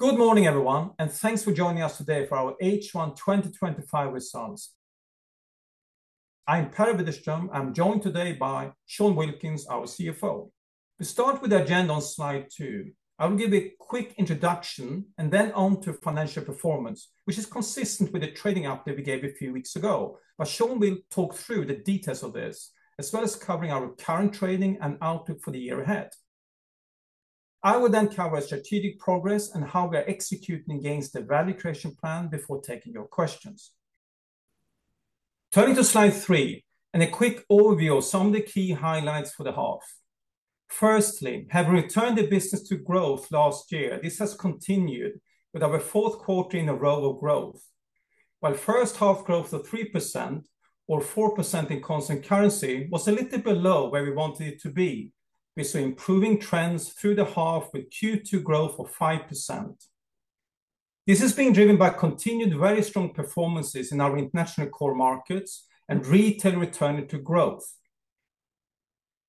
Good morning, everyone, and thanks for joining us today for our H1 2025 results. I'm Per Widerström. I'm joined today by Sean Wilkins, our CFO. We start with the agenda on slide two. I will give a quick introduction and then on to financial performance, which is consistent with the trading update we gave a few weeks ago. Sean will talk through the details of this, as well as covering our current trading and outlook for the year ahead. I will then cover strategic progress and how we are executing against the value creation plan before taking your questions. Turning to slide three and a quick overview of some of the key highlights for the half. Firstly, having returned the business to growth last year, this has continued with our fourth quarter in a row of growth. While first half growth of 3%, or 4% in constant currency, was a little bit lower than where we wanted it to be, we saw improving trends through the half with Q2 growth of 5%. This has been driven by continued very strong performances in our international core markets and retail return to growth.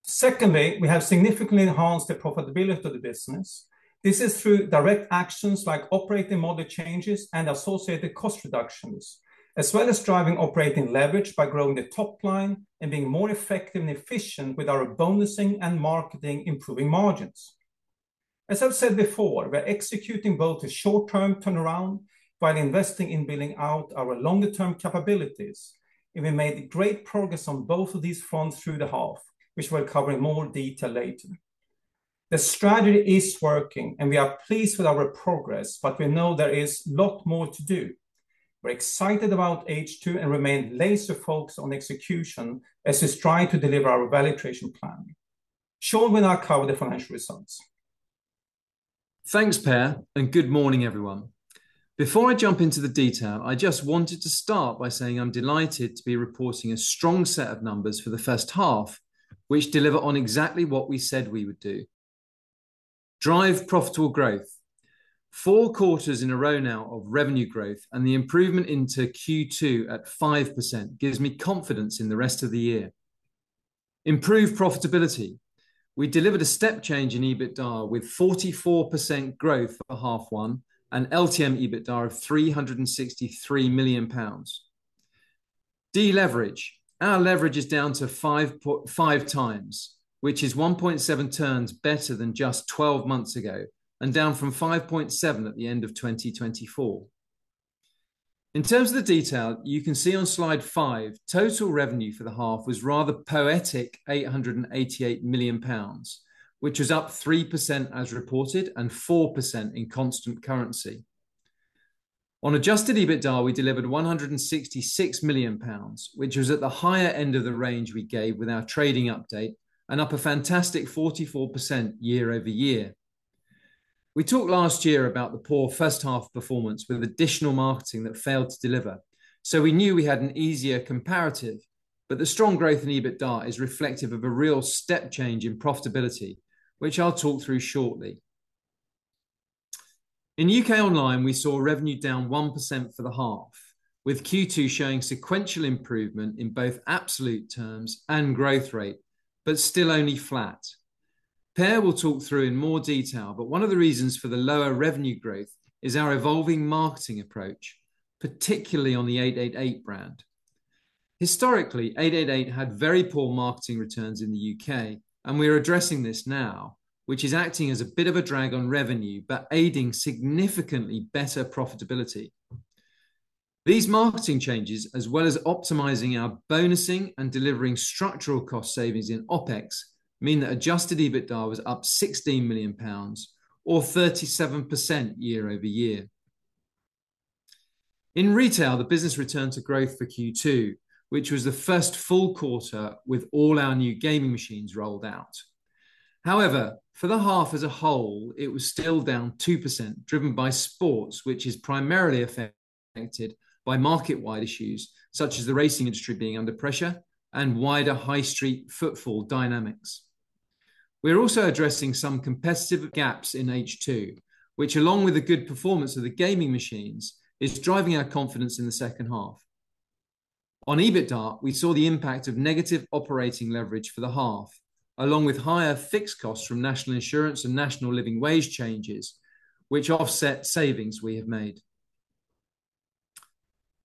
Secondly, we have significantly enhanced the profitability of the business. This is through direct actions like operating model changes and associated cost reductions, as well as driving operating leverage by growing the top line and being more effective and efficient with our bonusing and marketing, improving margins. As I've said before, we're executing both a short-term turnaround while investing in building out our longer-term capabilities. We made great progress on both of these fronts through the half, which we'll cover in more detail later. The strategy is working, and we are pleased with our progress, but we know there is a lot more to do. We're excited about H2 and remain laser focused on execution as we strive to deliver our value creation plan. Sean will now cover the financial results. Thanks, Per, and good morning, everyone. Before I jump into the detail, I just wanted to start by saying I'm delighted to be reporting a strong set of numbers for the first half, which deliver on exactly what we said we would do. Drive profitable growth. Four quarters in a row now of revenue growth and the improvement into Q2 at 5% gives me confidence in the rest of the year. Improve profitability. We delivered a step change in EBITDA with 44% growth for half one and LTM EBITDA of £363 million. Deleverage. Our leverage is down to 5x, which is 1.7x better than just 12 months ago and down from 5.7x at the end of 2024. In terms of the detail, you can see on slide five, total revenue for the half was rather poetic £888 million, which was up 3% as reported and 4% in constant currency. On adjusted EBITDA, we delivered £166 million, which was at the higher end of the range we gave with our trading update and up a fantastic 44% year-over-year. We talked last year about the poor first half performance with additional marketing that failed to deliver, so we knew we had an easier comparative, but the strong growth in EBITDA is reflective of a real step change in profitability, which I'll talk through shortly. In U.K. online, we saw revenue down 1% for the half, with Q2 showing sequential improvement in both absolute terms and growth rate, but still only flat. Per will talk through in more detail, but one of the reasons for the lower revenue growth is our evolving marketing approach, particularly on the 888 brand. Historically, 888 had very poor marketing returns in the U.K., and we are addressing this now, which is acting as a bit of a drag on revenue but aiding significantly better profitability. These marketing changes, as well as optimizing our bonusing and delivering structural cost savings in OpEx, mean that adjusted EBITDA was up £16 million, or 37% year-over-year. In retail, the business returns are growth for Q2, which was the first full quarter with all our new gaming machines rolled out. However, for the half as a whole, it was still down 2%, driven by sports, which is primarily affected by market-wide issues such as the racing industry being under pressure and wider High Street football dynamics. We're also addressing some competitive gaps in H2, which, along with the good performance of the gaming machines, is driving our confidence in the second half. On EBITDA, we saw the impact of negative operating leverage for the half, along with higher fixed costs from national insurance and national living wage changes, which offset savings we have made.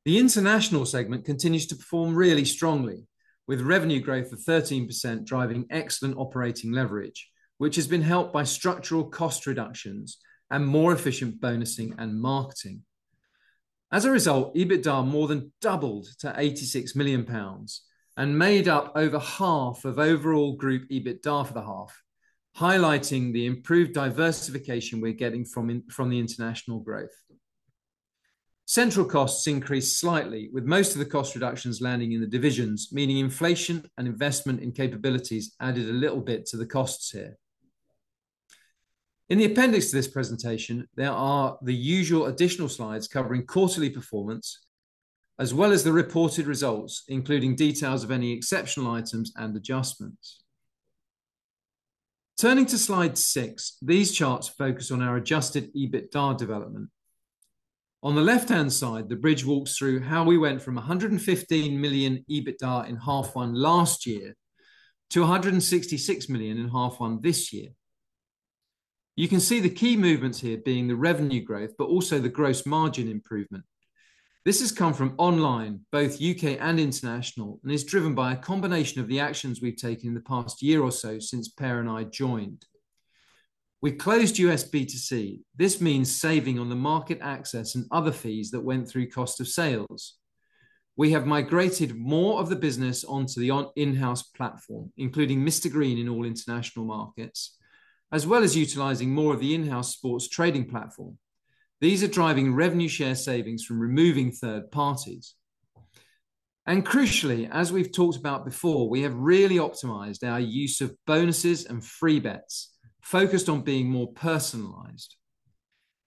The international segment continues to perform really strongly, with revenue growth of 13% driving excellent operating leverage, which has been helped by structural cost reductions and more efficient bonusing and marketing. As a result, EBITDA more than doubled to £86 million and made up over half of overall group EBITDA for the half, highlighting the improved diversification we're getting from the international growth. Central costs increased slightly, with most of the cost reductions landing in the divisions, meaning inflation and investment in capabilities added a little bit to the costs here. In the appendix to this presentation, there are the usual additional slides covering quarterly performance, as well as the reported results, including details of any exceptional items and adjustments. Turning to slide six, these charts focus on our adjusted EBITDA development. On the left-hand side, the bridge walks through how we went from £115 million EBITDA in half one last year to £166 million in half one this year. You can see the key movements here being the revenue growth, but also the gross margin improvement. This has come from online, both U.K. and international, and is driven by a combination of the actions we've taken in the past year or so since Per and I joined. We closed US B2C. This means saving on the market access and other fees that went through cost of sales. We have migrated more of the business onto the in-house platform, including Mr Green in all international markets, as well as utilizing more of the in-house sports trading platform. These are driving revenue share savings from removing third parties. Crucially, as we've talked about before, we have really optimized our use of bonuses and free bets, focused on being more personalized.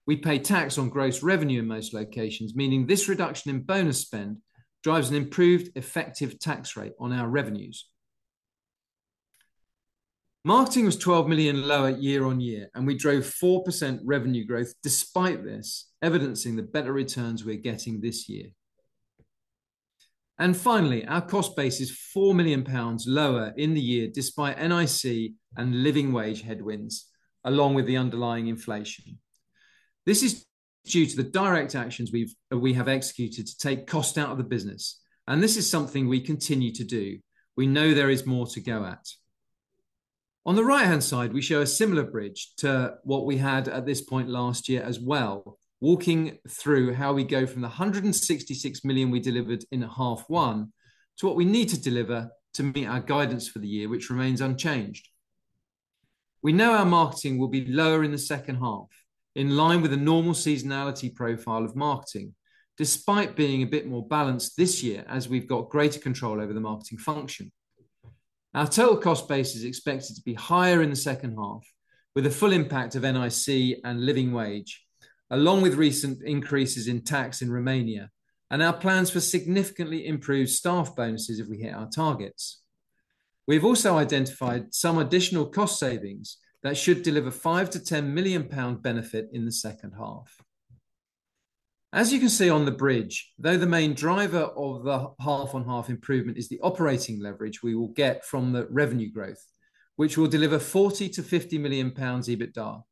We pay tax on gross revenue in most locations, meaning this reduction in bonus spend drives an improved effective tax rate on our revenues. Marketing was £12 million lower year-on-year, and we drove 4% revenue growth despite this, evidencing the better returns we're getting this year. Finally, our cost base is £4 million lower in the year despite NIC and living wage headwinds, along with the underlying inflation. This is due to the direct actions we have executed to take cost out of the business, and this is something we continue to do. We know there is more to go at. On the right-hand side, we show a similar bridge to what we had at this point last year as well, walking through how we go from the £166 million we delivered in H1 to what we need to deliver to meet our guidance for the year, which remains unchanged. We know our marketing will be lower in the second half, in line with a normal seasonality profile of marketing, despite being a bit more balanced this year as we've got greater control over the marketing function. Our total cost base is expected to be higher in the second half, with a full impact of national insurance and living wage, along with recent increases in tax in Romania, and our plans for significantly improved staff bonuses if we hit our targets. We've also identified some additional cost savings that should deliver £5 million-£10 million benefit in the second half. As you can see on the bridge, though the main driver of the half on half improvement is the operating leverage we will get from the revenue growth, which will deliver £40 million-£50 million EBITDA.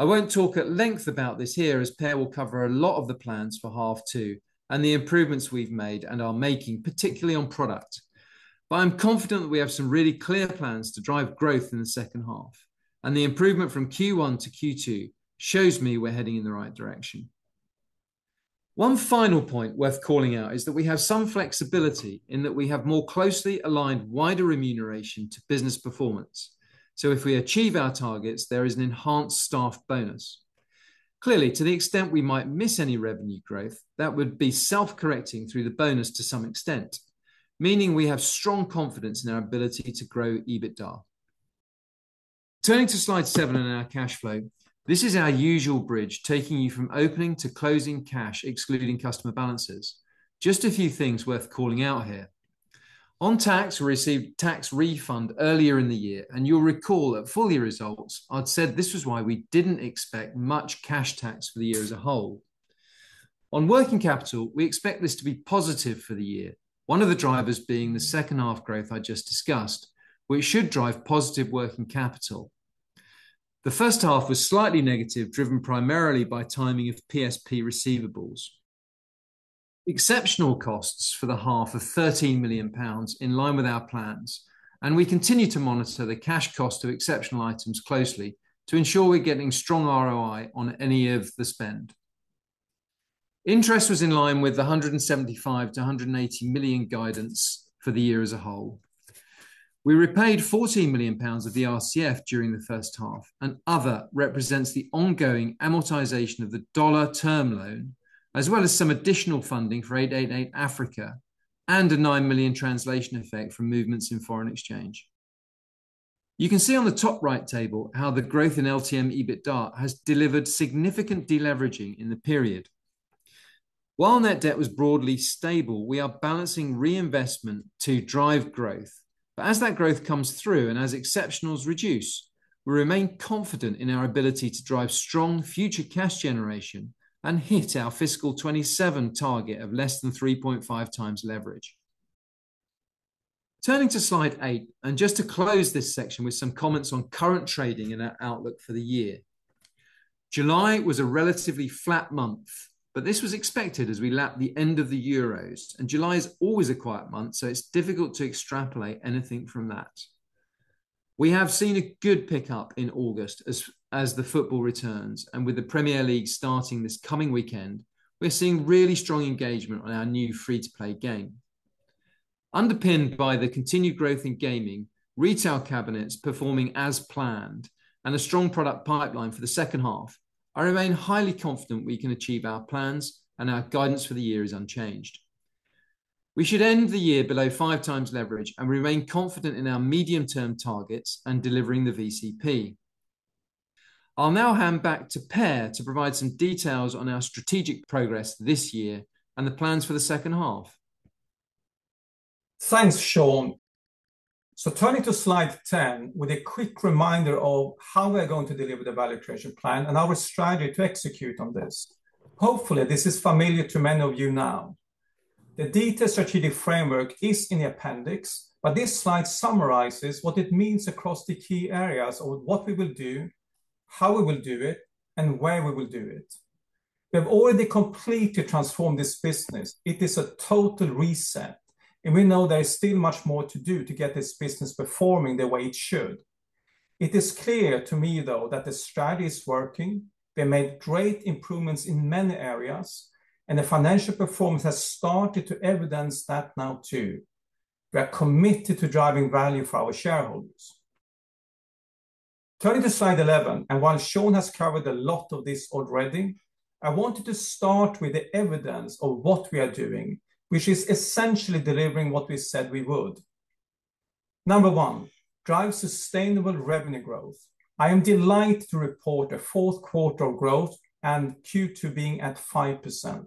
I won't talk at length about this here as Per will cover a lot of the plans for H2 and the improvements we've made and are making, particularly on product. I'm confident that we have some really clear plans to drive growth in the second half, and the improvement from Q1 to Q2 shows me we're heading in the right direction. One final point worth calling out is that we have some flexibility in that we have more closely aligned wider remuneration to business performance. If we achieve our targets, there is an enhanced staff bonus. Clearly, to the extent we might miss any revenue growth, that would be self-correcting through the bonus to some extent, meaning we have strong confidence in our ability to grow EBITDA. Turning to slide seven on our cash flow, this is our usual bridge taking you from opening to closing cash, excluding customer balances. Just a few things worth calling out here. On tax, we received a tax refund earlier in the year, and you'll recall at full year results, I'd said this was why we didn't expect much cash tax for the year as a whole. On working capital, we expect this to be positive for the year, one of the drivers being the second half growth I just discussed, which should drive positive working capital. The first half was slightly negative, driven primarily by timing of PSP receivables. Exceptional costs for the half of £13 million in line with our plans, and we continue to monitor the cash cost of exceptional items closely to ensure we're getting strong ROI on any of the spend. Interest was in line with the £175 million-£180 million guidance for the year as a whole. We repaid £14 million of the RCF during the first half, and other represents the ongoing amortization of the dollar term loan, as well as some additional funding for 888 Africa and a £9 million translation effect from movements in foreign exchange. You can see on the top right table how the growth in LTM EBITDA has delivered significant deleveraging in the period. While net debt was broadly stable, we are balancing reinvestment to drive growth. As that growth comes through and as exceptionals reduce, we remain confident in our ability to drive strong future cash generation and hit our fiscal 2027 target of less than 3.5x leverage. Turning to slide eight, and just to close this section with some comments on current trading and our outlook for the year. July was a relatively flat month, but this was expected as we lapped the end of the Euros, and July is always a quiet month, so it's difficult to extrapolate anything from that. We have seen a good pickup in August as the football returns, and with the Premier League starting this coming weekend, we're seeing really strong engagement on our new free-to-play game. Underpinned by the continued growth in gaming, retail cabinets performing as planned, and a strong product pipeline for the second half, I remain highly confident we can achieve our plans and our guidance for the year is unchanged. We should end the year below five times leverage and remain confident in our medium-term targets and delivering the VCP. I'll now hand back to Per to provide some details on our strategic progress this year and the plans for the second half. Thanks, Sean. Turning to slide 10 with a quick reminder of how we're going to deliver the value creation plan and our strategy to execute on this. Hopefully, this is familiar to many of you now. The detailed strategic framework is in the appendix, but this slide summarizes what it means across the key areas of what we will do, how we will do it, and where we will do it. We have already completely transformed this business. It is a total reset, and we know there is still much more to do to get this business performing the way it should. It is clear to me, though, that the strategy is working. We made great improvements in many areas, and the financial performance has started to evidence that now too. We are committed to driving value for our shareholders. Turning to slide 11, while Sean has covered a lot of this already, I wanted to start with the evidence of what we are doing, which is essentially delivering what we said we would. Number one, drive sustainable revenue growth. I am delighted to report a fourth quarter of growth and Q2 being at 5%.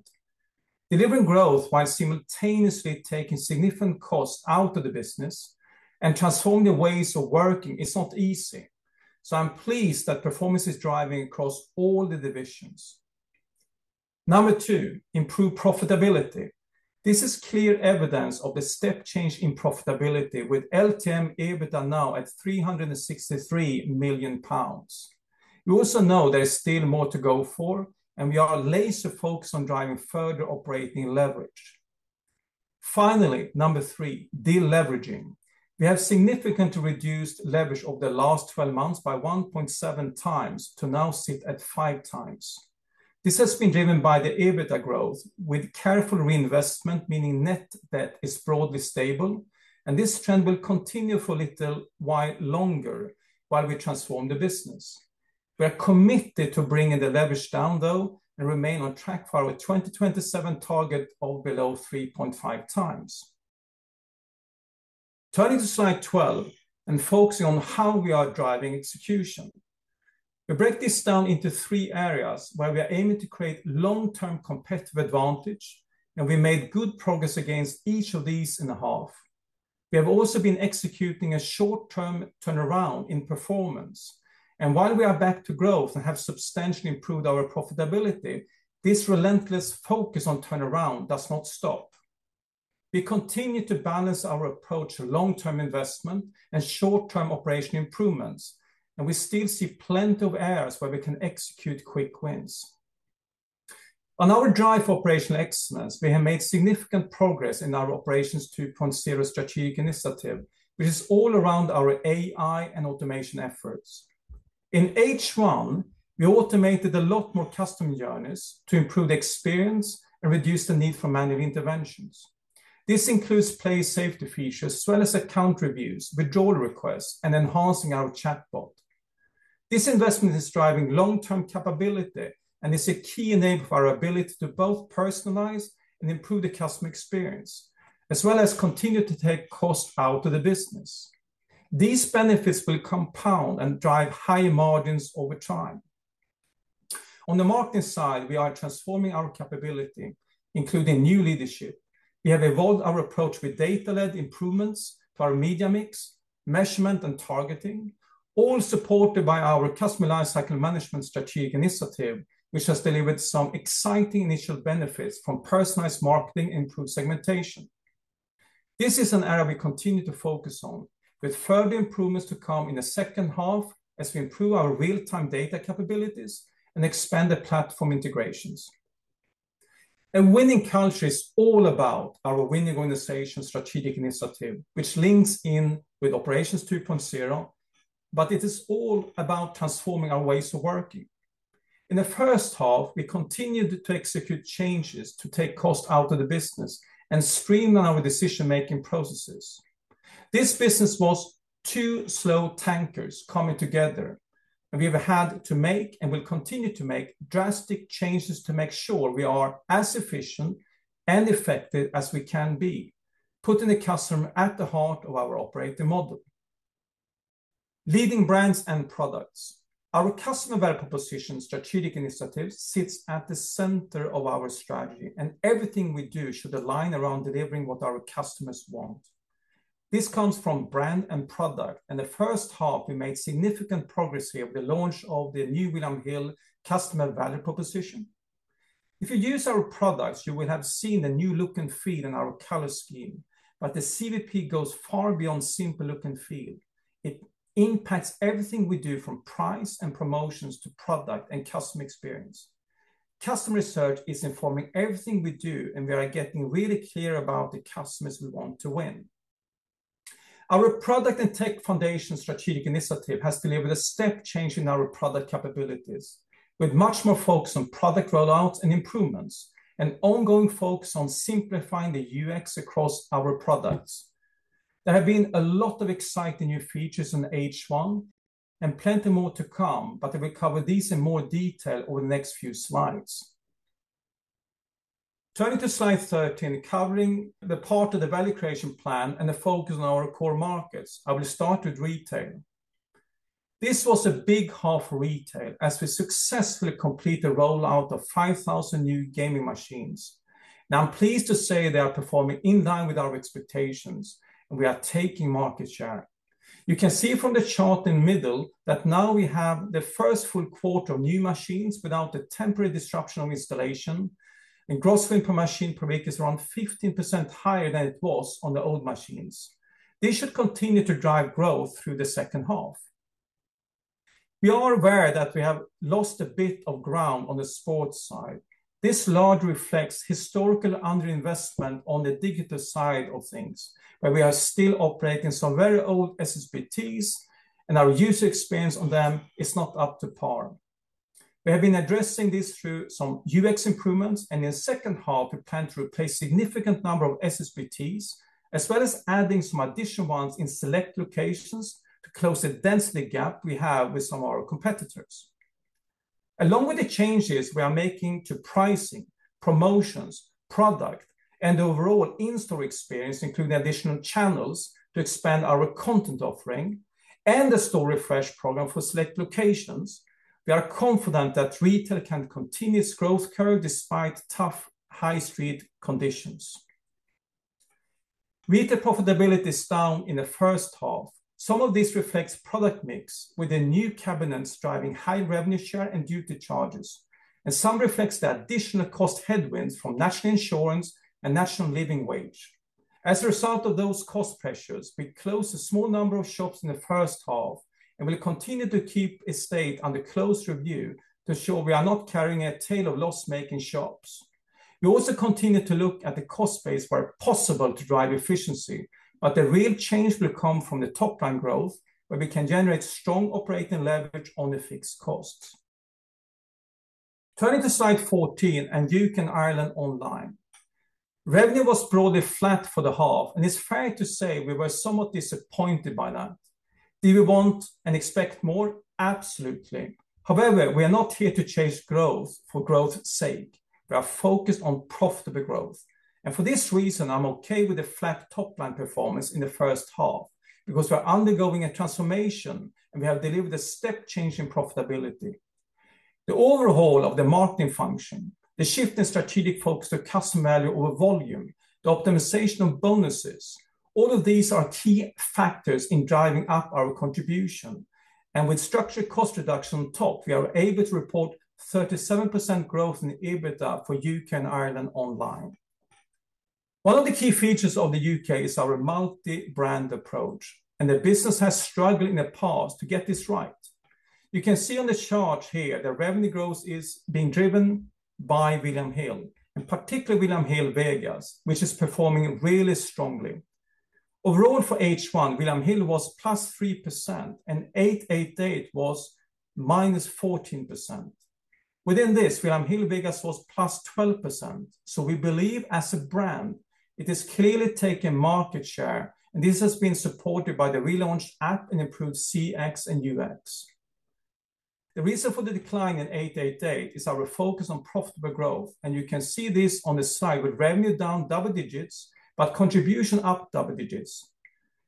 Delivering growth while simultaneously taking significant costs out of the business and transforming the ways of working is not easy. I'm pleased that performance is driving across all the divisions. Number two, improve profitability. This is clear evidence of the step change in profitability with LTM EBITDA now at £363 million. We also know there is still more to go for, and we are laser focused on driving further operating leverage. Finally, number three, deleveraging. We have significantly reduced leverage over the last 12 months by 1.7x to now sit at 5x This has been driven by the EBITDA growth with careful reinvestment, meaning net debt is broadly stable, and this trend will continue for a little while longer while we transform the business. We're committed to bringing the leverage down, though, and remain on track for our 2027 target of below 3.5x. Turning to slide 12 and focusing on how we are driving execution. We break this down into three areas where we are aiming to create long-term competitive advantage, and we made good progress against each of these in the half. We have also been executing a short-term turnaround in performance, and while we are back to growth and have substantially improved our profitability, this relentless focus on turnaround does not stop. We continue to balance our approach to long-term investment and short-term operational improvements, and we still see plenty of areas where we can execute quick wins. On our drive for operational excellence, we have made significant progress in our Operations 2.0 strategic initiative, which is all around our AI and automation efforts. In H1, we automated a lot more custom journeys to improve the experience and reduce the need for manual interventions. This includes play safety features as well as account reviews, withdrawal requests, and enhancing our chatbot. This investment is driving long-term capability, and it's a key enabler for our ability to both personalize and improve the customer experience, as well as continue to take cost out of the business. These benefits will compound and drive higher margins over time. On the marketing side, we are transforming our capability, including new leadership. We have evolved our approach with data-led improvements to our media mix, measurement, and targeting, all supported by our customer lifecycle management strategic initiative, which has delivered some exciting initial benefits from personalized marketing and improved segmentation. This is an area we continue to focus on, with further improvements to come in the second half as we improve our real-time data capabilities and expand the platform integrations. A winning culture is all about our winning organization strategic initiative, which links in with Operations 2.0, but it is all about transforming our ways of working. In the first half, we continued to execute changes to take cost out of the business and streamline our decision-making processes. This business was two slow tankers coming together, and we have had to make and will continue to make drastic changes to make sure we are as efficient and effective as we can be, putting the customer at the heart of our operating model. Leading brands and products. Our customer value proposition strategic initiative sits at the center of our strategy, and everything we do should align around delivering what our customers want. This comes from brand and product, and in the first half, we made significant progress here with the launch of the new William Hill customer value proposition. If you use our products, you will have seen the new look and feel in our color scheme, but the CVP goes far beyond simple look and feel. It impacts everything we do from price and promotions to product and customer experience. Customer research is informing everything we do, and we are getting really clear about the customers we want to win. Our product and tech foundation strategic initiative has delivered a step change in our product capabilities, with much more focus on product rollouts and improvements, and ongoing focus on simplifying the UX across our products. There have been a lot of exciting new features in H1 and plenty more to come, but I will cover these in more detail over the next few slides. Turning to slide 13, covering the part of the value creation plan and the focus on our core markets, I will start with retail. This was a big half for retail as we successfully completed the rollout of 5,000 new gaming machines. Now I'm pleased to say they are performing in line with our expectations, and we are taking market share. You can see from the chart in the middle that now we have the first full quarter of new machines without the temporary disruption of installation, and gross win per machine per week is around 15% higher than it was on the old machines. This should continue to drive growth through the second half. We are aware that we have lost a bit of ground on the sports side. This largely reflects historical underinvestment on the digital side of things, where we are still operating some very old SSBTs, and our user experience on them is not up to par. We have been addressing this through some UX improvements, and in the second half, we plan to replace a significant number of SSBTs, as well as adding some additional ones in select locations to close the density gap we have with some of our competitors. Along with the changes we are making to pricing, promotions, product, and overall in-store experience, including additional channels to expand our content offering and the store refresh program for select locations, we are confident that retail can continue its growth curve despite tough High Street conditions. Retail profitability is down in the first half. Some of this reflects product mix with the new cabinets driving high revenue share and duty charges, and some reflects the additional cost headwinds from national insurance and national living wage. As a result of those cost pressures, we closed a small number of shops in the first half and will continue to keep estate under close review to show we are not carrying a tail of loss-making shops. We also continue to look at the cost base where it's possible to drive efficiency, but the real change will come from the top line growth where we can generate strong operating leverage on the fixed costs. Turning to slide 14 and viewing Ireland online, revenue was broadly flat for the half, and it's fair to say we were somewhat disappointed by that. Do we want and expect more? Absolutely. However, we are not here to chase growth for growth's sake. We are focused on profitable growth. For this reason, I'm okay with the flat top line performance in the first half because we're undergoing a transformation and we have delivered a step change in profitability. The overhaul of the marketing function, the shift in strategic focus to customer value over volume, the optimization of bonuses, all of these are key factors in driving up our contribution. With structured cost reduction on top, we are able to report 37% growth in the adjusted EBITDA for U.K. and Ireland online. One of the key features of the U.K. is our multi-brand approach, and the business has struggled in the past to get this right. You can see on the chart here that revenue growth is being driven by William Hill, and particularly William Hill Vegas, which is performing really strongly. Overall, for H1, William Hill was +3% and 888 was -14%. Within this, William Hill Vegas was +12%. We believe as a brand, it is clearly taking market share, and this has been supported by the relaunched app and improved CX and UX. The reason for the decline in 888 is our focus on profitable growth, and you can see this on the slide with revenue down double digits, but contribution up double digits.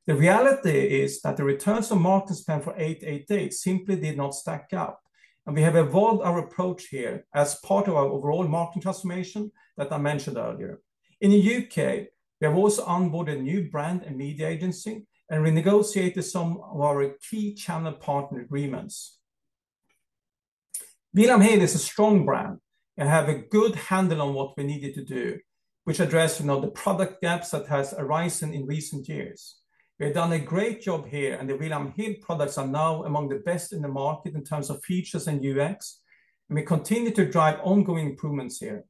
The reality is that the returns on market spend for 888 simply did not stack up, and we have evolved our approach here as part of our overall marketing transformation that I mentioned earlier. In the U.K., we have also onboarded a new brand and media agency, and renegotiated some of our key channel partner agreements. William Hill is a strong brand. They have a good handle on what we needed to do, which addresses the product gaps that have arisen in recent years. We have done a great job here, and the William Hill products are now among the best in the market in terms of features and UX, and we continue to drive ongoing improvements here.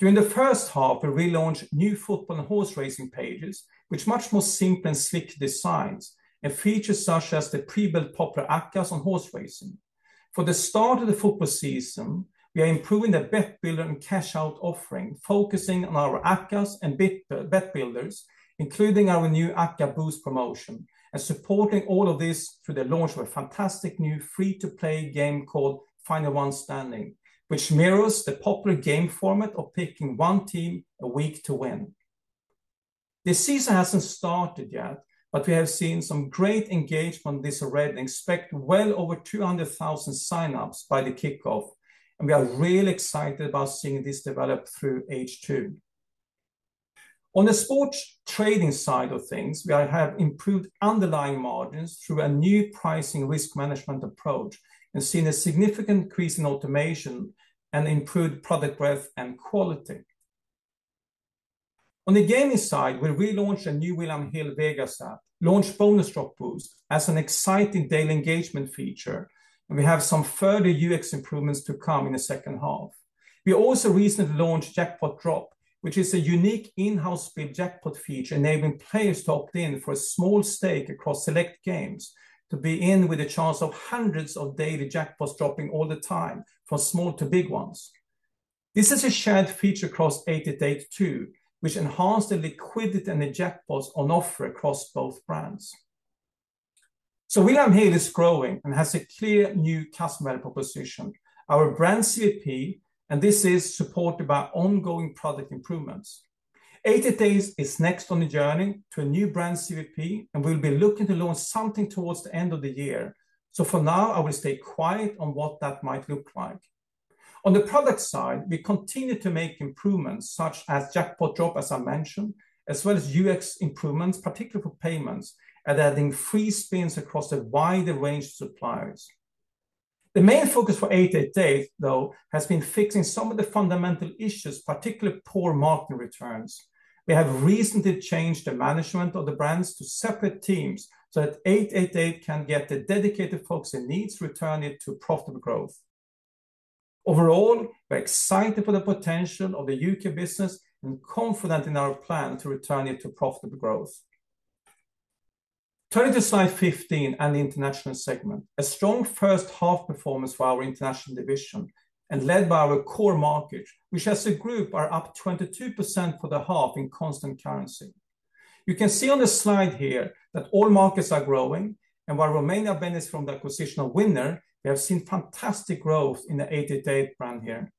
During the first half, we relaunched new football and horse racing pages with much more simple and slick designs and features such as the pre-built popular app guides on horse racing. For the start of the football season, we are improving the bet builder and cash-out offering, focusing on our app guides and bet builders, including our new app guide boost promotion, and supporting all of this through the launch of a fantastic new free-to-play game called Final One Standing, which mirrors the popular game format of picking one team a week to win. This season hasn't started yet, but we have seen some great engagement on this already and expect well over 200,000 signups by the kickoff. We are really excited about seeing this develop through H2. On the sports trading side of things, we have improved underlying margins through a new pricing risk management approach and seen a significant increase in automation and improved product breadth and quality. On the gaming side, we relaunched a new William Hill Vegas app, launched Bonus Drop Boost as an exciting daily engagement feature, and we have some further UX improvements to come in the second half. We also recently launched Jackpot Drop, which is a unique in-house built jackpot feature enabling players to opt in for a small stake across select games to be in with a chance of hundreds of daily jackpots dropping all the time for small to big ones. This is a shared feature across 888 too, which enhanced the liquidity and the jackpots on offer across both brands. William Hill is growing and has a clear new customer value proposition, our brand CVP, and this is supported by ongoing product improvements. 888 is next on the journey to a new brand CVP, and we'll be looking to launch something towards the end of the year. For now, I will stay quiet on what that might look like. On the product side, we continue to make improvements such as Jackpot Drop, as I mentioned, as well as UX improvements, particularly for payments, and adding free spins across a wider range of suppliers. The main focus for 888 though has been fixing some of the fundamental issues, particularly poor marketing returns. We have recently changed the management of the brands to separate teams so that 888 can get the dedicated folks it needs to return it to profitable growth. Overall, we're excited for the potential of the U.K. business and confident in our plan to return it to profitable growth. Turning to slide 15 and the international segment, a strong first half performance for our international division and led by our core market, which as a group are up 22% for the half in constant currency. You can see on the slide here that all markets are growing, and while Romania benefits from the acquisition of Winner, we have seen fantastic growth in the 888 brand here.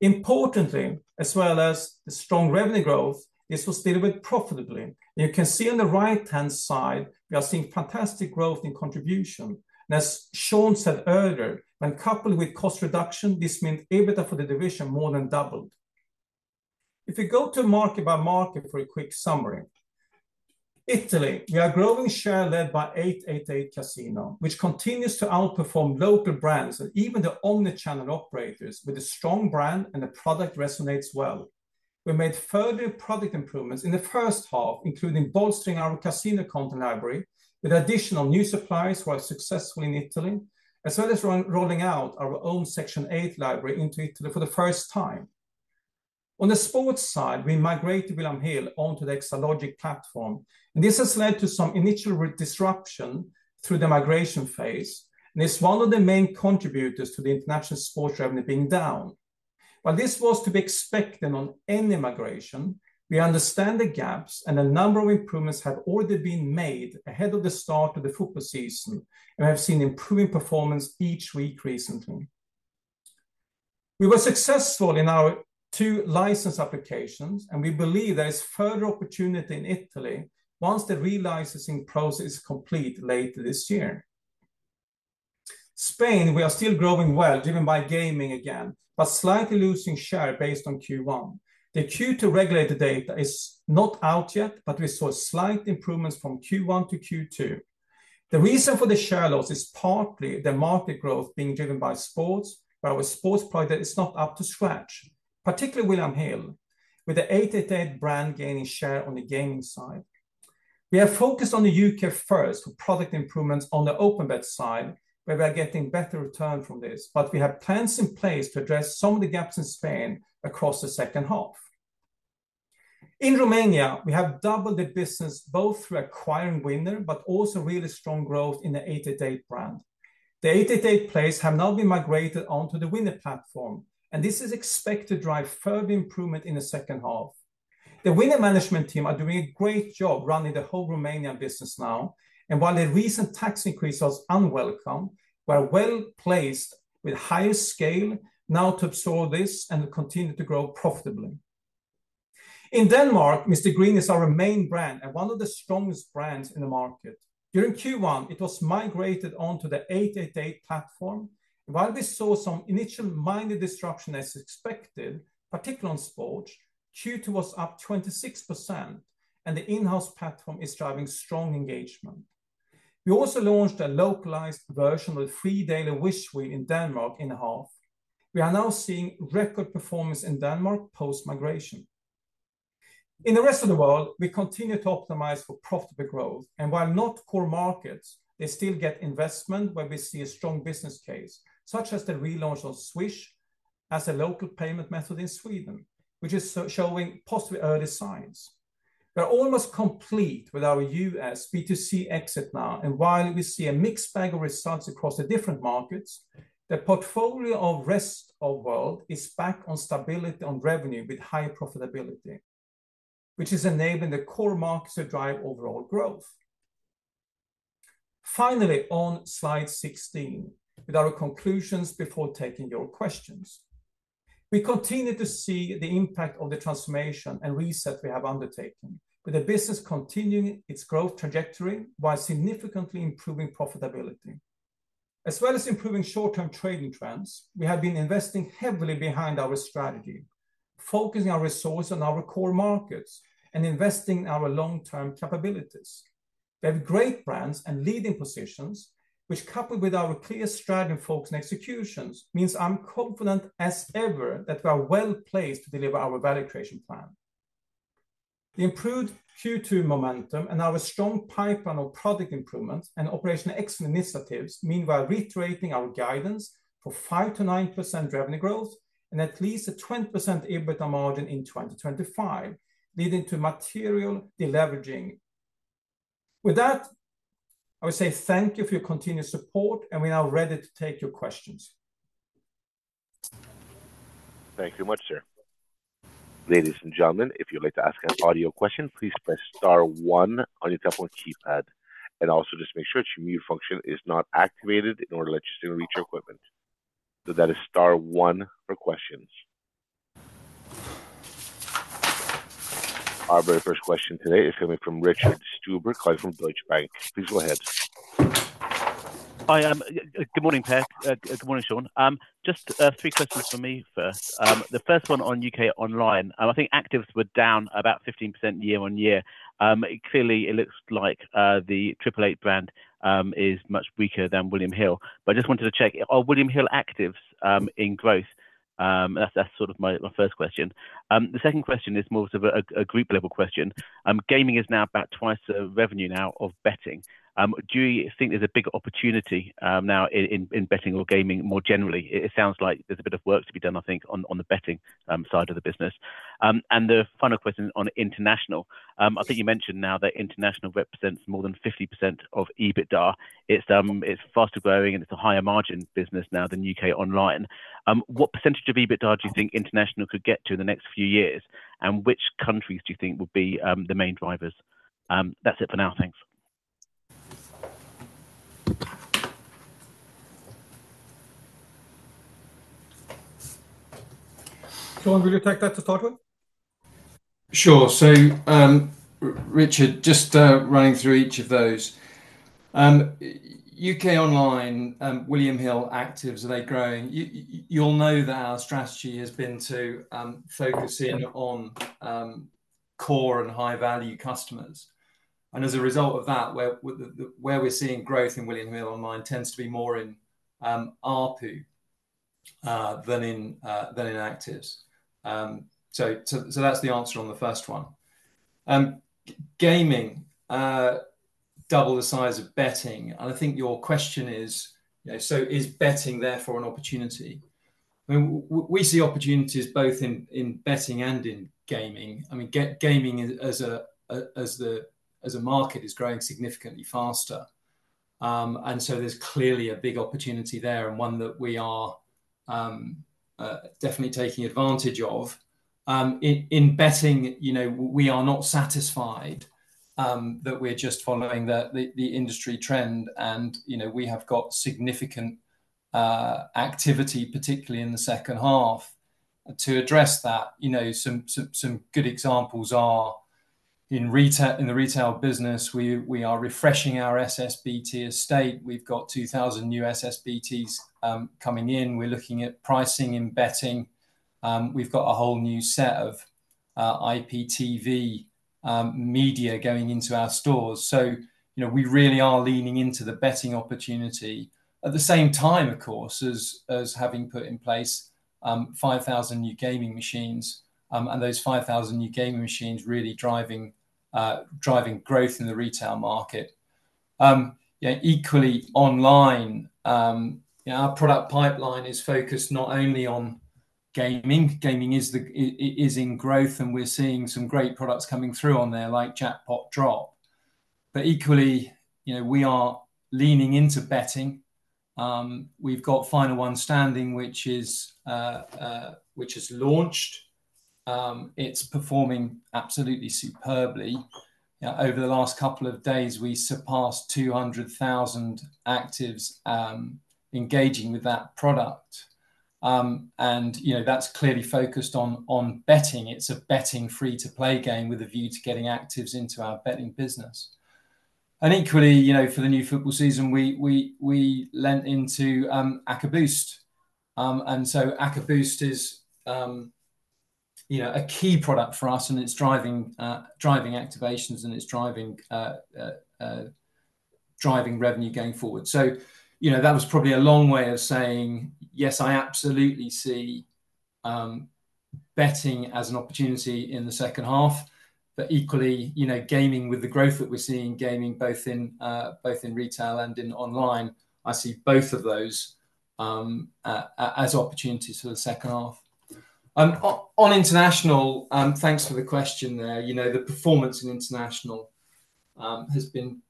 Importantly, as well as the strong revenue growth, this was delivered profitably. You can see on the right-hand side, we are seeing fantastic growth in contribution. As Sean said earlier, when coupled with cost reduction, this meant EBITDA for the division more than doubled. If we go to market by market for a quick summary, in Italy, we are growing share led by 888 Casino, which continues to outperform local brands and even the omnichannel operators with a strong brand and the product resonates well. We made further product improvements in the first half, including bolstering our casino content library with additional new suppliers who are successful in Italy, as well as rolling out our own Section 8 library into Italy for the first time. On the sports side, we migrated William Hill onto the Exalogic platform. This has led to some initial disruption through the migration phase, and it's one of the main contributors to the international sports revenue being down. While this was to be expected on any migration, we understand the gaps and a number of improvements have already been made ahead of the start of the football season, and we have seen improving performance each week recently. We were successful in our two license applications, and we believe there is further opportunity in Italy once the relicensing process is complete later this year. Spain, we are still growing well, driven by gaming again, but slightly losing share based on Q1. The Q2 regulator data is not out yet, but we saw slight improvements from Q1 to Q2. The reason for the share loss is partly the market growth being driven by sports, but our sports project is not up to scratch, particularly William Hill, with the 888 brand gaining share on the gaming side. We are focused on the U.K. first for product improvements on the OpenBet side, where we are getting better return from this, but we have plans in place to address some of the gaps in Spain across the second half. In Romania, we have doubled the business both through acquiring Winner, but also really strong growth in the 888 brand. The 888 plays have now been migrated onto the Winner platform, and this is expected to drive further improvement in the second half. The Winner management team are doing a great job running the whole Romanian business now, and while a recent tax increase was unwelcome, we are well placed with higher scale now to absorb this and continue to grow profitably. In Denmark, Mr Green is our main brand and one of the strongest brands in the market. During Q1, it was migrated onto the 888 platform. While we saw some initial minor disruption as expected, particularly on sports, Q2 was up 26%, and the in-house platform is driving strong engagement. We also launched a localized version with a free daily wish week in Denmark in H1. We are now seeing record performance in Denmark post-migration. In the rest of the world, we continue to optimize for profitable growth, and while not core markets, they still get investment where we see a strong business case, such as the relaunch on Swish as a local payment method in Sweden, which is showing possibly early signs. We are almost complete with our U.S. B2C exit now, and while we see a mixed bag of results across the different markets, the portfolio of the rest of the world is back on stability on revenue with higher profitability, which is enabling the core markets to drive overall growth. Finally, on slide 16, with our conclusions before taking your questions. We continue to see the impact of the transformation and reset we have undertaken, with the business continuing its growth trajectory while significantly improving profitability. As well as improving short-term trading trends, we have been investing heavily behind our strategy, focusing our resources on our core markets and investing in our long-term capabilities. We have great brands and leading positions, which coupled with our clear strategy and focus on execution, means I'm confident as ever that we are well placed to deliver our value creation plan. The improved Q2 momentum and our strong pipeline of product improvements and operational excellence initiatives mean we are reiterating our guidance for 5%-9% revenue growth and at least a 20% EBITDA margin in 2025, leading to material deleveraging. With that, I would say thank you for your continued support, and we are now ready to take your questions. Thank you very much, sir. Ladies and gentlemen, if you'd like to ask an audio question, please press star one on your telephone keypad, and also just make sure that your mute function is not activated in order to let you reach your equipment. That is star one for questions. Our very first question today is coming from Richard Stuber, calling from Deutsche Bank. Please go ahead. Hi, good morning, Per. Good morning, Sean. Just three questions for me. The first one on U.K. online. I think actives were down about 15% year-on-year. Clearly, it looks like the 888 brand is much weaker than William Hill. I just wanted to check, are William Hill actives in growth? That's sort of my first question. The second question is more of a group level question. Gaming is now about twice the revenue now of betting. Do you think there's a bigger opportunity now in betting or gaming more generally? It sounds like there's a bit of work to be done, I think, on the betting side of the business. The final question on international. I think you mentioned now that international represents more than 50% of EBITDA. It's faster growing and it's a higher margin business now than U.K. online. What percentage of EBITDA do you think international could get to in the next few years? Which countries do you think would be the main drivers? That's it for now. Thanks. Sean, would you take that to total? Sure. Richard, just running through each of those. U.K. online, William Hill actives, are they growing? You'll know that our strategy has been to focus in on core and high-value customers. As a result of that, where we're seeing growth in William Hill online tends to be more in ARPU than in actives. That's the answer on the first one. Gaming doubled the size of betting. I think your question is, is betting therefore an opportunity? We see opportunities both in betting and in gaming. Gaming as a market is growing significantly faster, so there's clearly a big opportunity there and one that we are definitely taking advantage of. In betting, we are not satisfied that we're just following the industry trend and we have got significant activity, particularly in the second half, to address that. Some good examples are in the retail business. We are refreshing our SSBT estate. We've got 2,000 new SSBTs coming in. We're looking at pricing in betting. We've got a whole new set of IPTV media going into our stores. We really are leaning into the betting opportunity at the same time, of course, as having put in place 5,000 new gaming machines. Those 5,000 new gaming machines are really driving growth in the retail market. Equally, online, our product pipeline is focused not only on gaming. Gaming is in growth and we're seeing some great products coming through on there like Jackpot Drop. Equally, we are leaning into betting. We've got Final One Standing, which is launched. It's performing absolutely superbly. Over the last couple of days, we surpassed 200,000 actives engaging with that product. That's clearly focused on betting. It's a betting free-to-play game with a view to getting actives into our betting business. Equally, for the new football season, we lent into AcadBoost. AcadBoost is a key product for us and it's driving activations and it's driving revenue going forward. That was probably a long way of saying, yes, I absolutely see betting as an opportunity in the second half. Equally, gaming with the growth that we're seeing, gaming both in retail and in online, I see both of those as opportunities for the second half. On international, thanks for the question there. The performance in international has been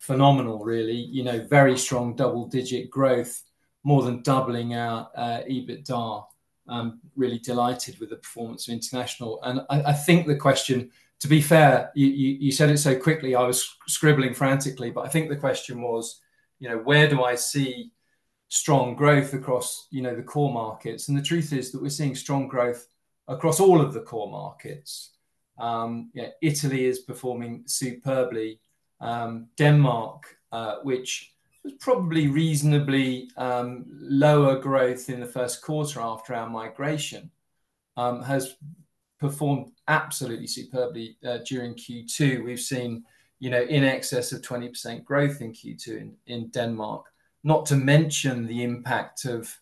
phenomenal, really. Very strong double-digit growth, more than doubling our EBITDA. I'm really delighted with the performance of international. I think the question, to be fair, you said it so quickly, I was scribbling frantically, but I think the question was, where do I see strong growth across the core markets? The truth is that we're seeing strong growth across all of the core markets. Italy is performing superbly. Denmark, which was probably reasonably lower growth in the first quarter after our migration, has performed absolutely superbly during Q2. We've seen in excess of 20% growth in Q2 in Denmark. Not to mention the impact of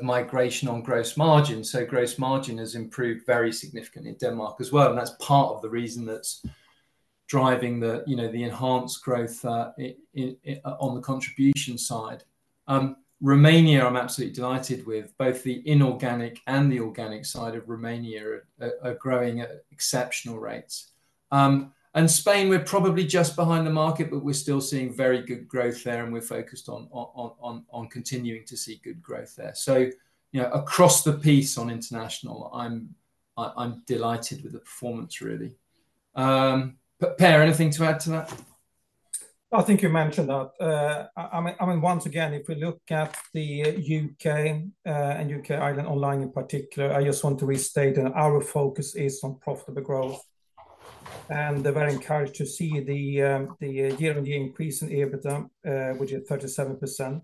migration on gross margins. Gross margin has improved very significantly in Denmark as well. That's part of the reason that's driving the enhanced growth on the contribution side. Romania, I'm absolutely delighted with both the inorganic and the organic side of Romania are growing at exceptional rates. Spain, we're probably just behind the market, but we're still seeing very good growth there and we're focused on continuing to see good growth there. Across the piece on international, I'm delighted with the performance, really. Per, anything to add to that? I think you mentioned that. I mean, once again, if we look at the U.K. and U.K. Ireland online in particular, I just want to restate that our focus is on profitable growth. They're very encouraged to see the year-on-year increase in EBITDA, which is 37%.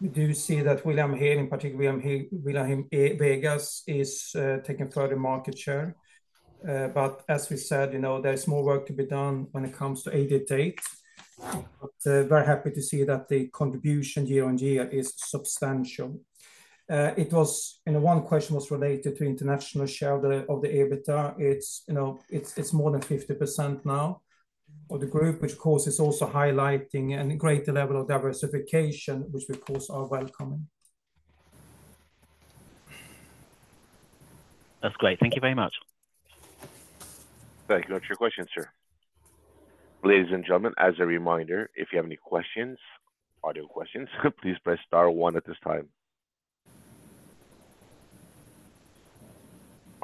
We do see that William Hill, in particular William Hill Vegas, is taking further market share. As we said, you know, there's more work to be done when it comes to 888. We're very happy to see that the contribution year-on-year is substantial. One question was related to international share of the EBITDA. It's more than 50% now of the group, which, of course, is also highlighting a greater level of diversification, which, of course, is our welcoming. That's great. Thank you very much. Thank you for your question, sir. Ladies and gentlemen, as a reminder, if you have any questions, audio questions, please press Star, o.ne at this time.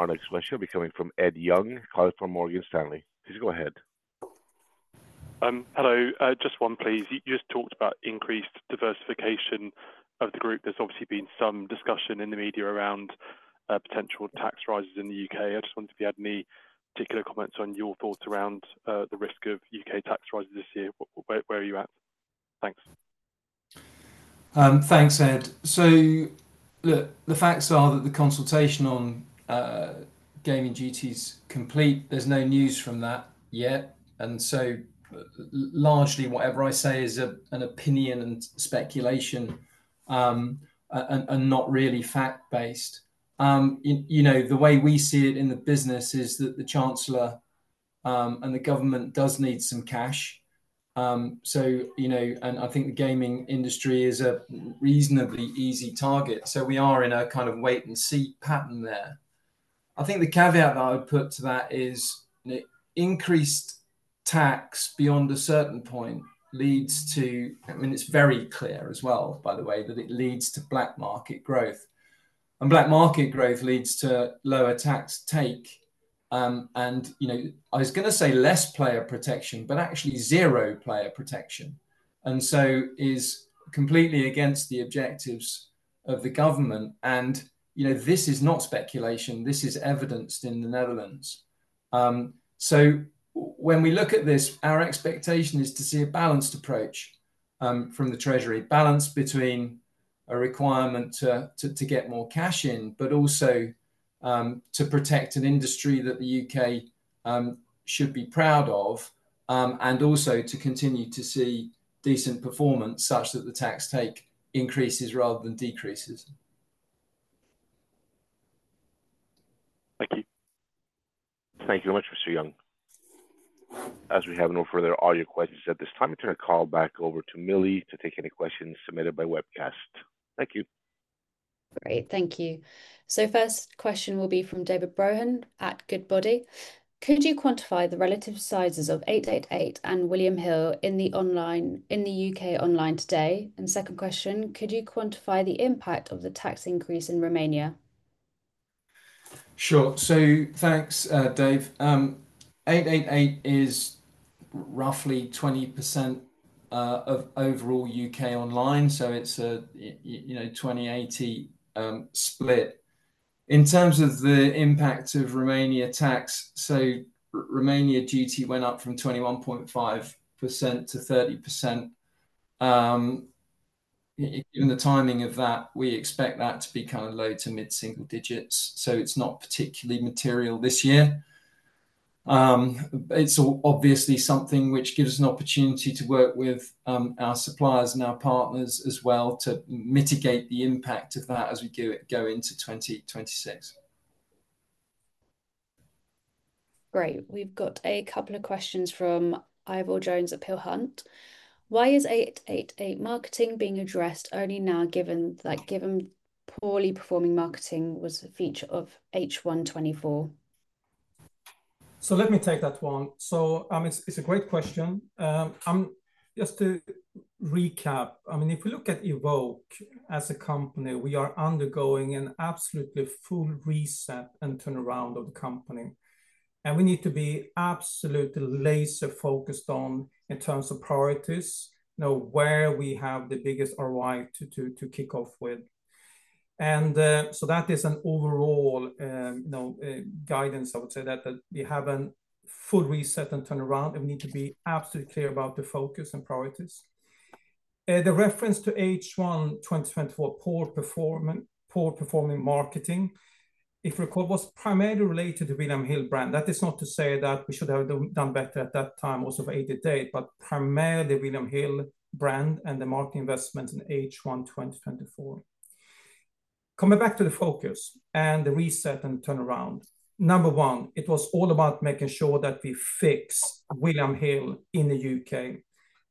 Our next question will be coming from Ed Young, calling from Morgan Stanley. Please go ahead. Hello. Just one, please. You just talked about increased diversification of the group. There's obviously been some discussion in the media around potential tax rises in the U.K. I just wondered if you had any particular comments on your thoughts around the risk of U.K. tax rises this year. Where are you at? Thanks. Thanks, Ed. The facts are that the consultation on gaming GT is complete. There's no news from that yet, and largely, whatever I say is an opinion and speculation and not really fact-based. The way we see it in the business is that the chancellor and the government do need some cash. I think the gaming industry is a reasonably easy target. We are in a kind of wait-and-see pattern there. The caveat that I would put to that is increased tax beyond a certain point leads to, I mean, it's very clear as well, by the way, that it leads to black market growth. Black market growth leads to lower tax take. I was going to say less player protection, but actually zero player protection. It is completely against the objectives of the government. This is not speculation. This is evidenced in the Netherlands. When we look at this, our expectation is to see a balanced approach from the Treasury, balanced between a requirement to get more cash in, but also to protect an industry that the U.K. should be proud of, and also to continue to see decent performance such that the tax take increases rather than decreases. Thank you very much for seeing us. As we have no further audio questions at this time, I'm going to call back over to Millie to take any questions submitted by webcast. Thank you. Great. Thank you. First question will be from David Brohan at Goodbody. Could you quantify the relative sizes of 888 and William Hill in the U.K. online today? Second question, could you quantify the impact of the tax increase in Romania? Sure. Thanks, Dave. 888 is roughly 20% of overall U.K. online. It's a 20-80 split. In terms of the impact of Romania tax, Romania GT went up from 21.5% to 30%. In the timing of that, we expect that to become low to mid-single digits. It's not particularly material this year. It's obviously something which gives us an opportunity to work with our suppliers and our partners as well to mitigate the impact of that as we go into 2026. Great. We've got a couple of questions from Ivor Jones at Peel Hunt. Why is 888 marketing being addressed only now given poorly performing marketing was a feature of H1 2024? Let me take that one. It's a great question. Just to recap, if we look at Evoke as a company, we are undergoing an absolutely full reset and turnaround of the company. We need to be absolutely laser focused in terms of priorities, you know, where we have the biggest ROI to kick off with. That is an overall guidance, I would say, that we have a full reset and turnaround, and we need to be absolutely clear about the focus and priorities. The reference to H1 2024 poor performing marketing, if you recall, was primarily related to the William Hill brand. That is not to say that we should have done better at that time also for 888, but primarily the William Hill brand and the market investment in H1 2024. Coming back to the focus and the reset and turnaround, number one, it was all about making sure that we fix William Hill in the U.K.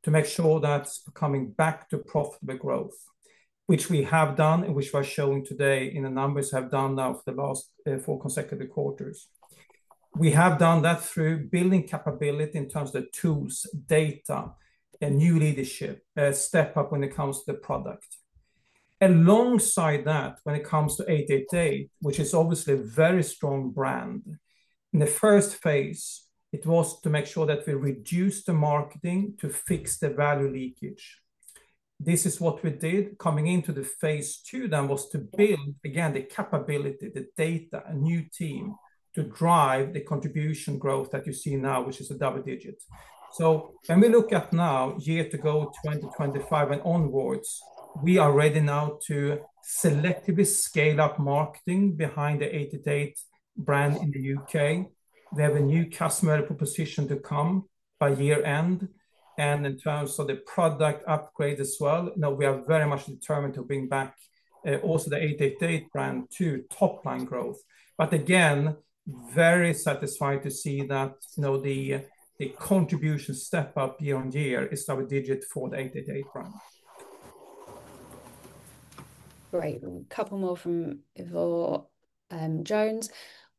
to make sure that's coming back to profitable growth, which we have done and which we are showing today in the numbers we have done now for the last four consecutive quarters. We have done that through building capability in terms of the tools, data, and new leadership step up when it comes to the product. Alongside that, when it comes to 888, which is obviously a very strong brand, in the first phase, it was to make sure that we reduced the marketing to fix the value leakage. This is what we did coming into the phase two. That was to build, again, the capability, the data, a new team to drive the contribution growth that you see now, which is a double digit. When we look at now, year to go, 2025 and onwards, we are ready now to selectively scale up marketing behind the 888 brand in the U.K. We have a new customer proposition to come by year end. In terms of the product upgrades as well, we are very much determined to bring back also the 888 brand to top line growth. Again, very satisfied to see that the contribution step up year on year is double digit for the 888 brand. Great. A couple more from Evil Jones.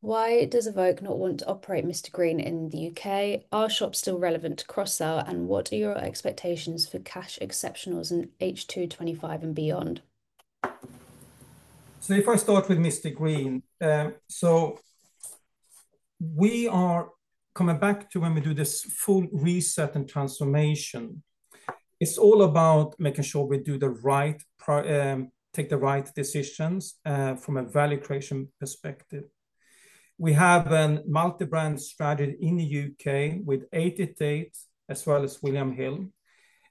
Why does Evoke not want to operate Mr Green in the U.K.? Are shops still relevant to cross-sell? What are your expectations for cash exceptionals in H2 2025 and beyond? If I start with Mr Green, we are coming back to when we do this full reset and transformation. It's all about making sure we take the right decisions from a value creation perspective. We have a multi-brand strategy in the U.K. with 888 as well as William Hill,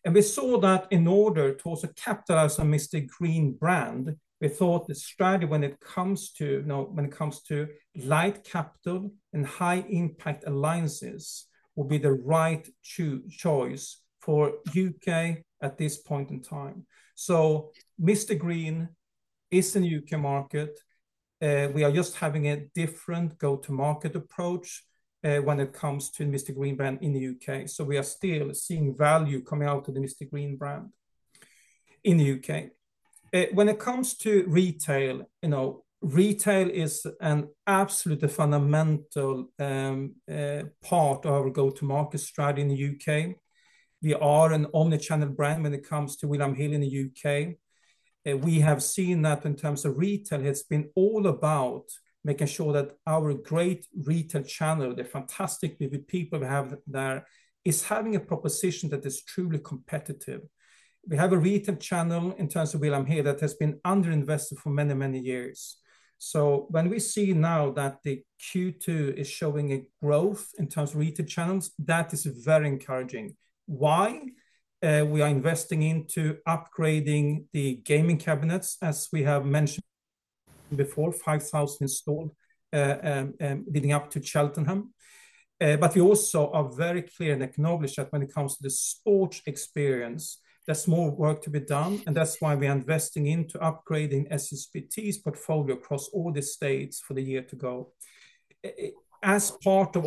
and we saw that in order to also capitalize on the Mr Green brand, we thought the strategy when it comes to light capital and high impact alliances would be the right choice for the UK at this point in time. Mr Green is in the U.K. market. We are just having a different go-to-market approach when it comes to the Mr Green brand in the U.K. We are still seeing value coming out of the Mr Green brand in the U.K. When it comes to retail, retail is an absolutely fundamental part of our go-to-market strategy in the U.K. We are an omnichannel brand when it comes to William Hill in the U.K. We have seen that in terms of retail, it's been all about making sure that our great retail channel, the fantastic people we have there, is having a proposition that is truly competitive. We have a retail channel in terms of William Hill that has been underinvested for many, many years. When we see now that Q2 is showing a growth in terms of retail channels, that is very encouraging. We are investing into upgrading the gaming cabinets, as we have mentioned before, 5,000 installed leading up to Cheltenham. We also are very clear and acknowledge that when it comes to the sport experience, there's more work to be done, and that's why we are investing into upgrading SSBT's portfolio across all the states for the year to go. As part of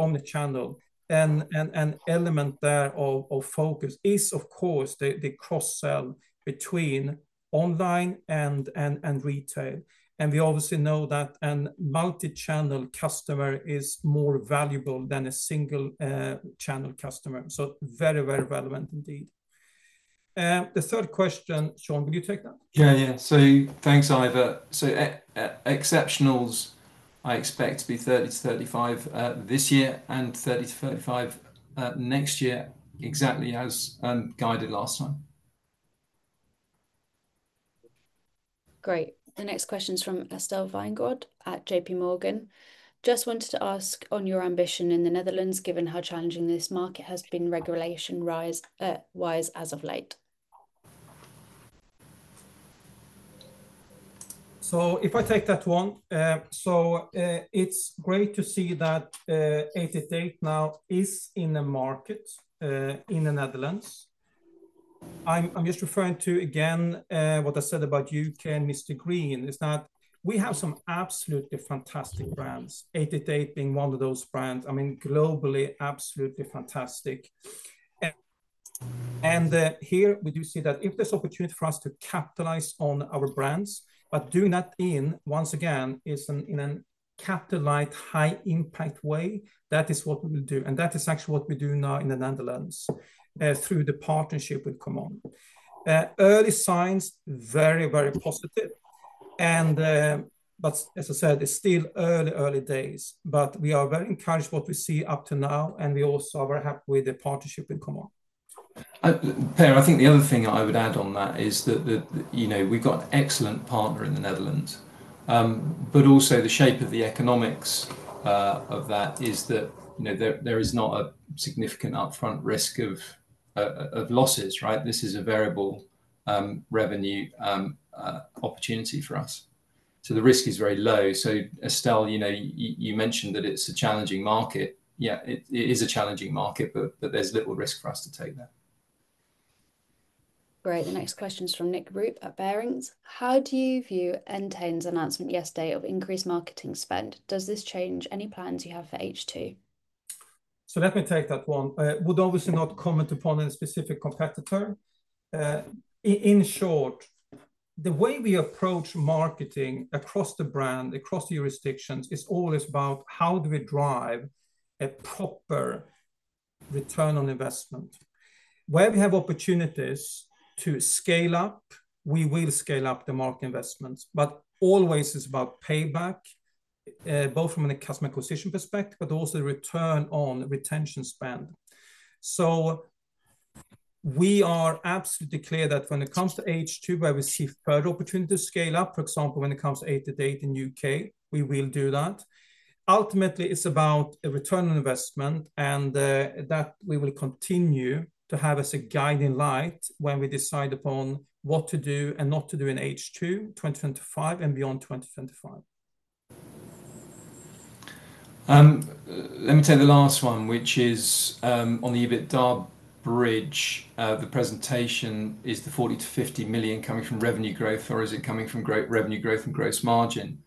omnichannel, an element there of focus is, of course, the cross-sell between online and retail. We obviously know that a multi-channel customer is more valuable than a single channel customer. Very, very relevant indeed. The third question, Sean, would you take that? Yeah, yeah. Thanks, Ivor. Exceptionals, I expect to be £30 million-£35 million this year and £30 million-£35 million next year, exactly as guided last time. Great. The next question is from Estelle Weingrood at JP Morgan. Just wanted to ask on your ambition in the Netherlands, given how challenging this market has been regulation-wise as of late. It's great to see that 888 now is in the market in the Netherlands. I'm just referring to, again, what I said about U.K. and Mr Green. We have some absolutely fantastic brands, 888 being one of those brands. I mean, globally, absolutely fantastic. We do see that if there's opportunity for us to capitalize on our brands, doing that in a capitalized high-impact way is what we'll do. That is actually what we do now in the Netherlands through the partnership with ComeOn. Early signs are very, very positive. As I said, it's still early days, but we are very encouraged by what we see up to now, and we also are very happy with the partnership with ComeOn. Per, I think the other thing I would add on that is that we've got an excellent partner in the Netherlands, but also the shape of the economics of that is that there is not a significant upfront risk of losses, right? This is a variable revenue opportunity for us. The risk is very low. Estelle, you mentioned that it's a challenging market. Yeah, it is a challenging market, but there's little risk for us to take there. Great. The next question is from Nick Rupe at Barings. How do you view N10's announcement yesterday of increased marketing spend? Does this change any plans you have for H2? Let me take that one. I would obviously not comment upon a specific competitor. In short, the way we approach marketing across the brand, across jurisdictions, is always about how do we drive a proper return on investment. Where we have opportunities to scale up, we will scale up the market investments, but always it's about payback, both from a customer acquisition perspective, but also return on retention spend. We are absolutely clear that when it comes to H2, where we see further opportunities to scale up, for example, when it comes to 888 in the U.K., we will do that. Ultimately, it's about a return on investment and that we will continue to have as a guiding light when we decide upon what to do and not to do in H2 2025 and beyond 2025. Let me take the last one, which is on the EBITDA bridge. The presentation is the £40 million-£50 million coming from revenue growth, or is it coming from revenue growth and gross margin?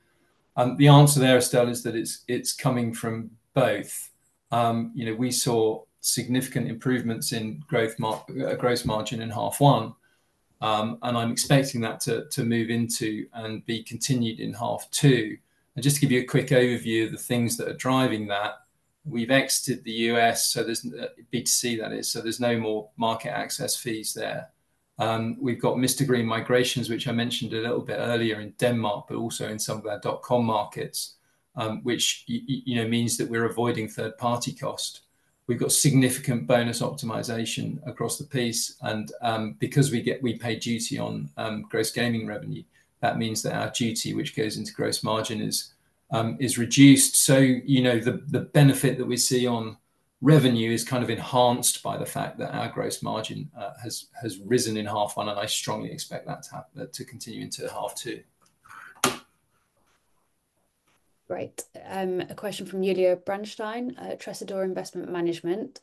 The answer there, Estelle, is that it's coming from both. We saw significant improvements in gross margin in H1, and I'm expecting that to move into and be continued in H2. Just to give you a quick overview of the things that are driving that, we've exited the U.S., B2C that is, so there's no more market access fees there. We've got Mr Green migrations, which I mentioned a little bit earlier in Denmark, but also in some of our dot-com markets, which means that we're avoiding third-party cost. We've got significant bonus optimization across the piece, and because we pay GT on gross gaming revenue, that means that our GT, which goes into gross margin, is reduced. The benefit that we see on revenue is kind of enhanced by the fact that our gross margin has risen in H1, and I strongly expect that to continue into H2. Great. A question from Yuliya Branshtein at Tresidor Investment Management.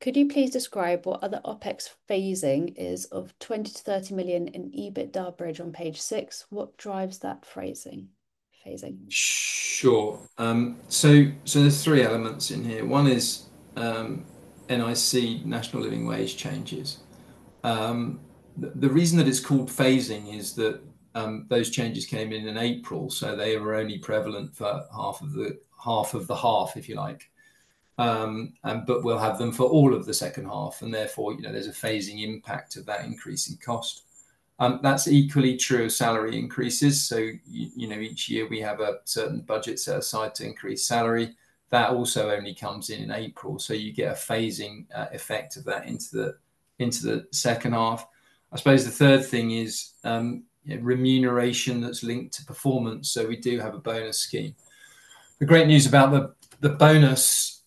Could you please describe what other OpEx phasing is of $20 million-$30 million in EBITDA bridge on page six? What drives that phasing? Sure. There are three elements in here. One is NIC, National Living Wage changes. The reason that it's called phasing is that those changes came in in April, so they were only prevalent for half of the half, if you like. We'll have them for all of the second half, and therefore there's a phasing impact of that increase in cost. That's equally true of salary increases. Each year we have a certain budget set aside to increase salary. That also only comes in in April, so you get a phasing effect of that into the second half. I suppose the third thing is remuneration that's linked to performance, so we do have a bonus scheme. The great news about the bonus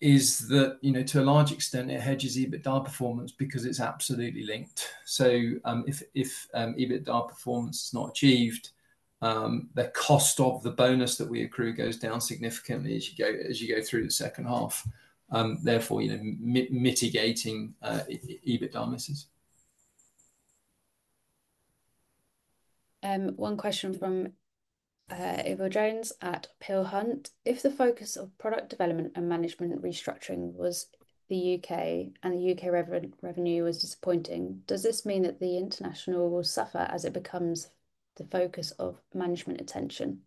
is that to a large extent it hedges EBITDA performance because it's absolutely linked. If EBITDA performance is not achieved, the cost of the bonus that we accrue goes down significantly as you go through the second half, therefore mitigating EBITDA misses. One question from Evil Jones at Peel Hunt. If the focus of product development and management restructuring was the U.K. and the U.K. revenue was disappointing, does this mean that the international will suffer as it becomes the focus of management attention?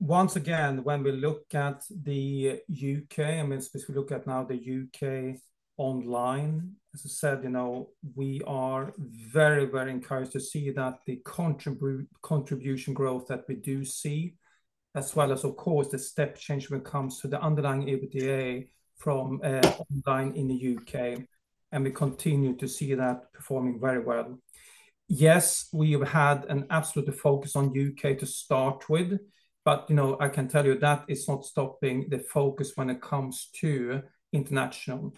Once again, when we look at the U.K., especially if we look at now the U.K. online, as I said, we are very, very encouraged to see that the contribution growth that we do see, as well as, of course, the step change when it comes to the underlying EBITDA from online in the U.K., and we continue to see that performing very well. Yes, we have had an absolute focus on U.K. to start with, but I can tell you that is not stopping the focus when it comes to international.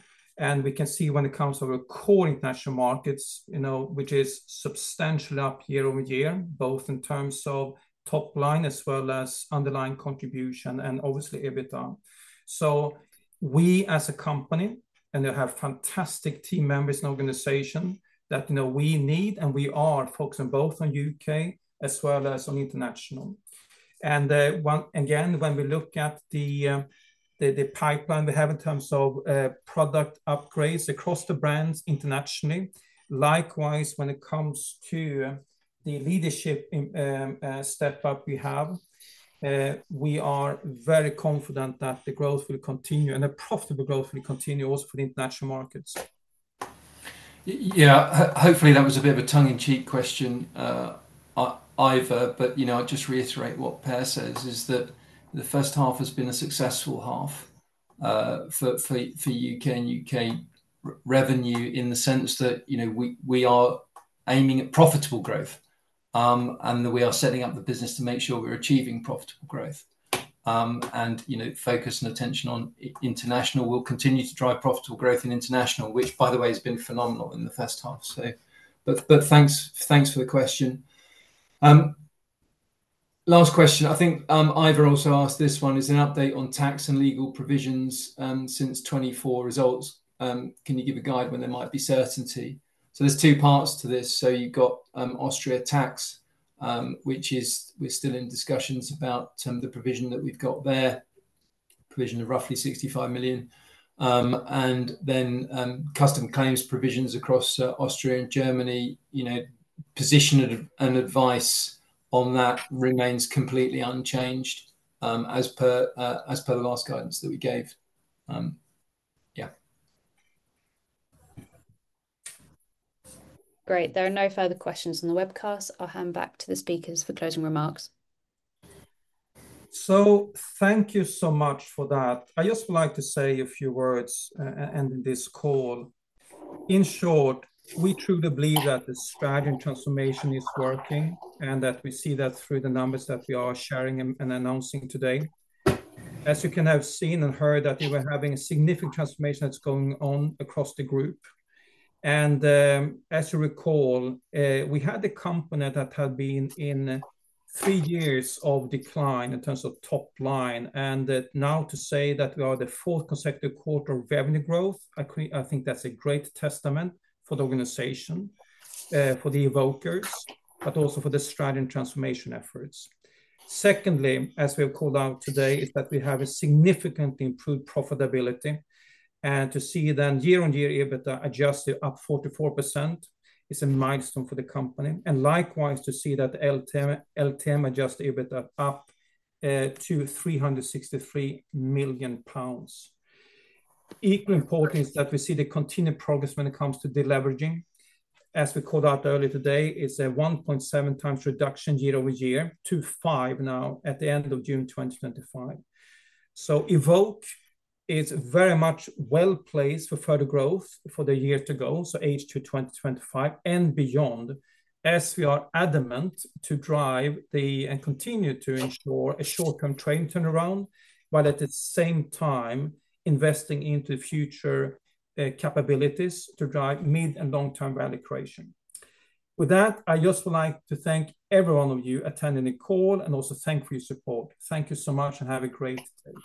We can see when it comes to our core international markets, which is substantially up year-over-year, both in terms of top line as well as underlying contribution and obviously EBITDA. We as a company have fantastic team members and organizations that we need, and we are focusing both on U.K. as well as on international. Again, when we look at the pipeline we have in terms of product upgrades across the brands internationally, likewise when it comes to the leadership step up we have, we are very confident that the growth will continue and the profitable growth will continue also for the international markets. Yeah, hopefully that was a bit of a tongue-in-cheek question, Ivor. I'll just reiterate what Per says, which is that the first half has been a successful half for U.K. and U.K. revenue in the sense that we are aiming at profitable growth and that we are setting up the business to make sure we're achieving profitable growth. Focus and attention on international will continue to drive profitable growth in international, which, by the way, has been phenomenal in the first half. Thanks for the question. Last question, I think I've also asked this one. Is there an update on tax and legal provisions since 2024 results? Can you give a guide when there might be certainty? There are two parts to this. You've got Austria tax, which is we're still in discussions about the provision that we've got there, provision of roughly €65 million. Then custom claims provisions across Austria and Germany, position and advice on that remains completely unchanged as per the last guidance that we gave. Yeah. Great. There are no further questions on the webcast. I'll hand back to the speakers for closing remarks. Thank you so much for that. I just would like to say a few words ending this call. In short, we truly believe that the strategy and transformation is working and that we see that through the numbers that we are sharing and announcing today. As you can have seen and heard, we're having a significant transformation that's going on across the group. As you recall, we had a company that had been in three years of decline in terms of top line. Now to say that we are the fourth consecutive quarter of revenue growth, I think that's a great testament for the organization, for the Evokers, but also for the strategy and transformation efforts. Secondly, as we have called out today, we have a significantly improved profitability. To see that year-on-year adjusted EBITDA up 44% is a milestone for the company. Likewise, to see that LTM adjusted EBITDA up to £363 million. Equally important is that we see the continued progress when it comes to deleveraging. As we called out earlier today, it's a 1.7x reduction year-over-year to five now at the end of June 2025. Evoke is very much well placed for further growth for the year to go, so H2 2025 and beyond, as we are adamant to drive and continue to ensure a short-term training turnaround, but at the same time investing into future capabilities to drive mid and long-term value creation. With that, I just would like to thank every one of you attending the call and also thank you for your support. Thank you so much and have a great.